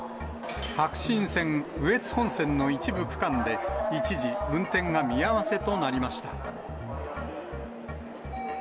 白新線、羽越本線の一部区間で、一時、運転が見合わせとなりました。